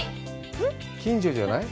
近所じゃない？